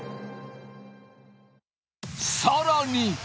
さらに。